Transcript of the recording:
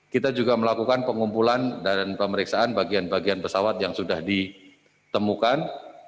kita juga melakukan pengumpulan dan pemeriksaan bagian bagian pesawat yang sudah ditemukan